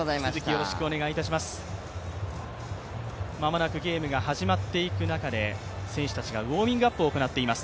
間もなくゲームが始まっていく中で選手たちがウォーミッグアップを行っています。